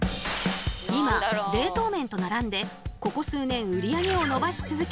今冷凍麺と並んでここ数年売り上げを伸ばし続け